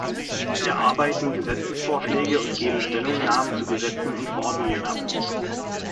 Sie erarbeiten Gesetzesvorschläge und geben Stellungnahmen zu Gesetzen und Verordnungen ab.